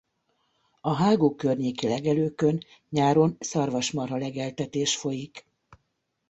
A hágó környéki legelőkön nyáron szarvasmarha-legeltetés folyik.